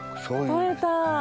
取れた！